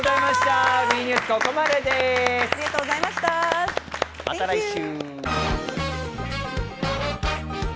また来週！